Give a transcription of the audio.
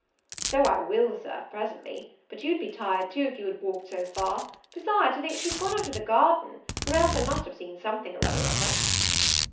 "So I will, Sir, presently; but you'd be tired too, if you had walked so far: besides, I think she's gone out of the garden, or else I must have seen something or other of her."